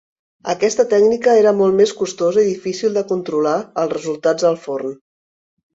Aquesta tècnica era molt més costosa i difícil de controlar els resultats al forn.